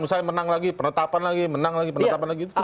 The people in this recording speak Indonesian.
misalnya menang lagi penetapan lagi menang lagi penetapan lagi